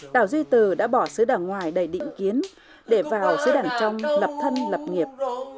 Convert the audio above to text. đảo duy từ đã bỏ xứ đảng ngoài đầy định kiến để vào xứ đảng trong lập thân lập nghiệp